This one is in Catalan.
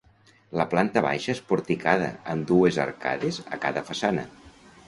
La planta baixa és porticada amb dues arcades a cada façana.